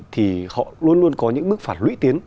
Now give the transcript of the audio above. thì họ luôn luôn có những bức phạt lũy tiến